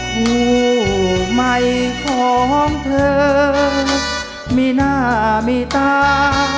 คู่ใหม่ของเธอมีหน้ามีตา